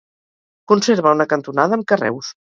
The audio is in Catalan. Conserva una cantonada amb carreus.